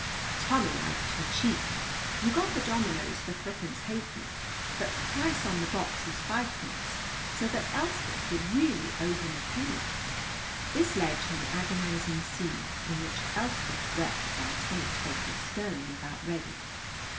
Tommy liked her cheek. You got the dominoes for threepence halfpenny, but the price on the box is fivepence, so that Elspeth would really owe him a penny. This led to an agonizing scene in which Elspeth wept while Tommy told her sternly about Reddy.